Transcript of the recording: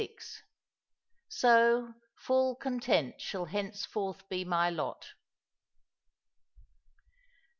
"so, FULL CONTENT SHALL HENOEFOKTH BE MY LOT."